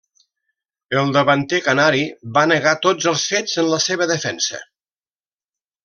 El davanter canari va negar tots els fets en la seva defensa.